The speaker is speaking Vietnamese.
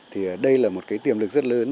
thì đây là một cái tiềm lực rất lớn